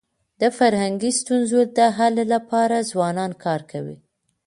د فرهنګي ستونزو د حل لپاره ځوانان کار کوي.